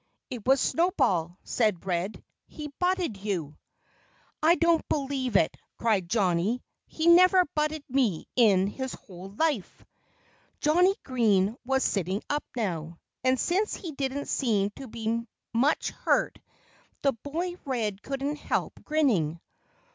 "It was Snowball," said Red. "He butted you." "I don't believe it," cried Johnnie. "He never butted me in his whole life." Johnnie Green was sitting up now. And since he didn't seem to be much hurt the boy Red couldn't help grinning.